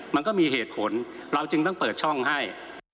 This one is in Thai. มันก็มีเหตุผลเราจึงต้องเปิดช่องให้